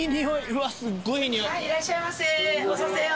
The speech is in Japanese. いらっしゃいませ。